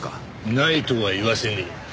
ないとは言わせねえ。